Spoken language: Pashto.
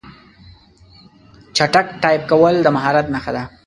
چټک ټایپ کول د مهارت نښه ده.